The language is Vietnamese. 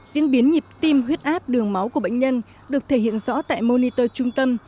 tiến biến nhịp tim huyết áp đường máu của bệnh nhân được thể hiện rõ tại monitor trung tâm